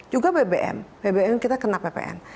juga bbm bbm kita kena ppn